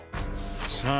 さあ